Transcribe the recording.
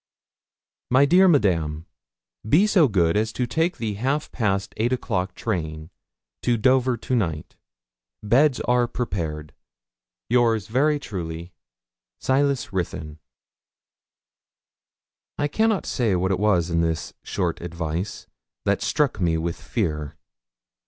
'MY DEAR MADAME, 'Be so good as to take the half past eight o'clock train to Dover to night. Beds are prepared. Yours very truly, SILAS RUTHYN.' I cannot say what it was in this short advice that struck me with fear.